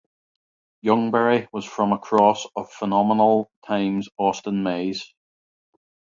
'Youngberry' was from a cross of 'Phenomenal' x 'Austin Mayes'.